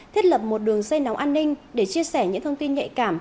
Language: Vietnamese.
thiết lập một đường dây nóng an ninh để chia sẻ những thông tin nhạy cảm